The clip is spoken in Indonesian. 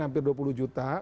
hampir dua puluh juta